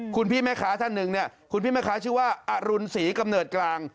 คุณพี่แม่ค้าท่านหนึ่งเนี่ยคุณพี่แม่ค้าชื่อว่าอรุณศรีกำเนิดกลาง